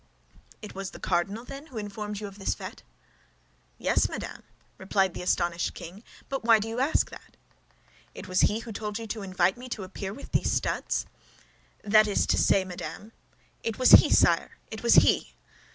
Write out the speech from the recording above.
"It was the cardinal, then, who informed you of this fête?" "Yes, madame," replied the astonished king; "but why do you ask that?" "It was he who told you to invite me to appear with these studs?" "That is to say, madame—" "It was he, sire, it was he!"